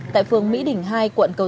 tại phường mỹ đỉnh hai quận cầu